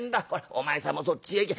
お前さんもそっちへ行け。